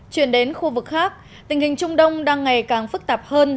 chuyển đến khu vực khác tình hình trung đông đang ngày càng phức tạp hơn